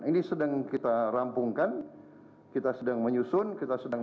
ini sedang kita rampungkan kita sedang menyusun kita sedang